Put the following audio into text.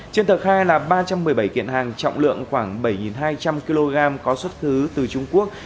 trên tờ khai là ba trăm một mươi bảy kiện hàng trọng lượng khoảng bảy hai trăm linh kg có xuất xứ từ trung quốc